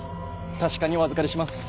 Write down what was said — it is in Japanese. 確かにお預かりします。